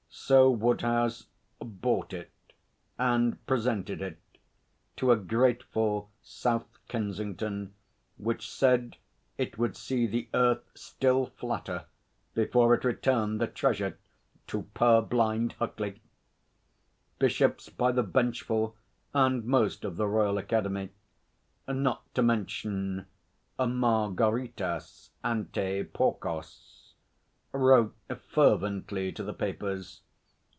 So Woodhouse bought it and presented it to a grateful South Kensington which said it would see the earth still flatter before it returned the treasure to purblind Huckley. Bishops by the benchful and most of the Royal Academy, not to mention 'Margaritas ante Porcos,' wrote fervently to the papers.